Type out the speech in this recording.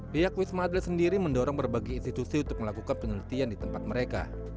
pihak wisma atlet sendiri mendorong berbagai institusi untuk melakukan penelitian di tempat mereka